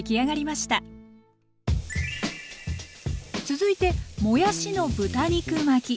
続いてもやしの豚肉巻き。